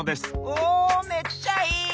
おめっちゃいい！